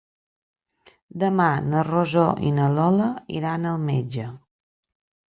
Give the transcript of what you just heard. Demà na Rosó i na Lola iran al metge.